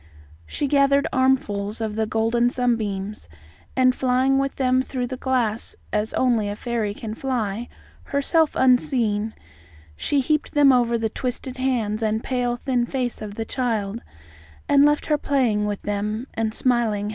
She gathered armfuls of the golden sunbeams, and flying with them through the glass as only a fairy can fly, herself unseen, she heaped them over the twisted hands and pale thin face of the child, and left her playing with them and smiling happily.